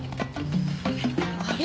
あれ？